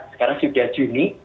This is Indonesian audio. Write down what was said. sekarang sudah juni